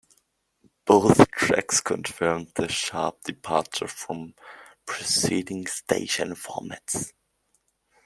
Both tracks confirmed the sharp departure from preceding station formats.